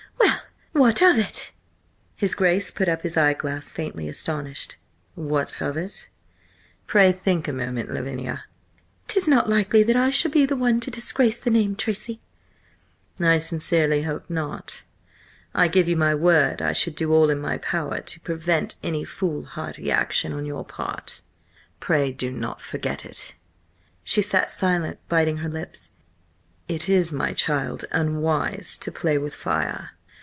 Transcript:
"Well! What of it?" His Grace put up his eye glass, faintly astonished. "What of it? Pray think a moment, Lavinia!" "'Tis not likely that I shall be the one to disgrace the name, Tracy!" "I sincerely hope not. I give you my word I should do all in my power to prevent any foolhardy action on your part. Pray do not forget it." She sat silent, biting her lips. "It is, my child, unwise to play with fire.